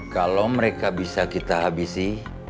kalau mereka bisa kita habisi